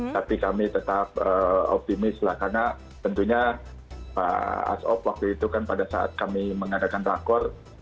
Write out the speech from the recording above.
tapi kami tetap optimis lah karena tentunya pak asop waktu itu kan pada saat kami mengadakan rakor